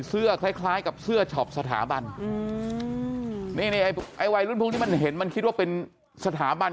เสื้อคล้ายกับเสื้อช็อปสถาบันไวรุ่นพรุ่งที่มันเห็นมันคิดว่าเป็นสถาบัน